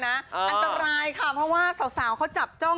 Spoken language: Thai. อันตรายค่ะเพราะว่าสาวเขาจับจ้อง